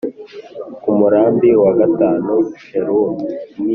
ku murambi wa gatanu shelumiyeli